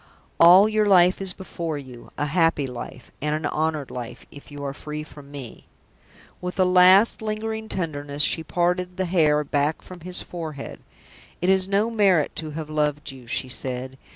"All your life is before you a happy life, and an honored life, if you are freed from me!" With a last, lingering tenderness, she parted the hair back from his forehead. "It is no merit to have loved you," she said.